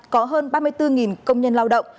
có hơn ba mươi bốn công nhân lao động